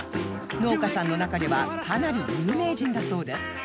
農家さんの中ではかなり有名人だそうです